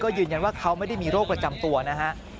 ยืนยันว่าเขาไม่ได้มีโรคประจำตัวนะฮะ